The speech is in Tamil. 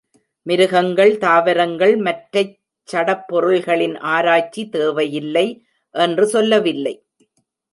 மிருகங்கள், தாவரங்கள், மற்றைச் சடப் பொருள்களின் ஆராய்ச்சி தேவையில்லை என்று சொல்லவில்லை.